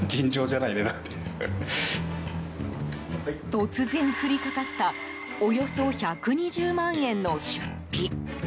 突然降りかかったおよそ１２０万円の出費。